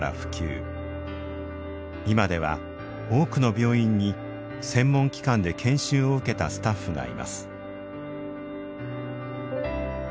今では多くの病院に専門機関で研修を受けたスタッフがいます。